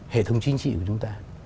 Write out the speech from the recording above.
hệ thống chính trị của chúng ta